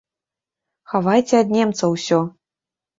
Хавайце ад немцаў усё!